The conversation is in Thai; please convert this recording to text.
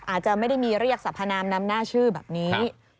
อาจจะไม่ได้มีเรียกสรรพนามนำหน้าชื่อแบบนี้